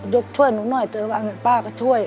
ช่วยหนูหน่อยเจอบ้างป้าก็ช่วย